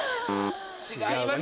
違います。